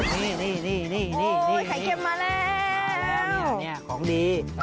เขียนหนังสือ